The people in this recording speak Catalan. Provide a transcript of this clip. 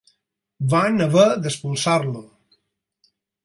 Van haver d'expulsar-lo.